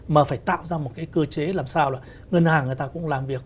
mà phải tạo ra một cái cơ chế làm sao là ngân hàng người ta cũng làm việc